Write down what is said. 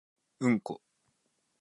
うんこ